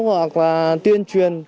hoặc là tuyên truyền